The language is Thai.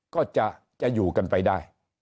ก็จะอยู่กันไปได้